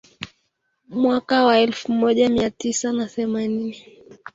Mwaka wa elfu moja mia tisa na themanini